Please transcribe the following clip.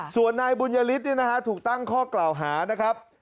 ส่วนนายบุญยฤทธิ์ถูกตั้งข้อกล่าวหานะครับ